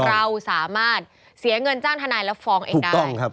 เราสามารถเสียเงินจ้างทนายแล้วฟ้องเองได้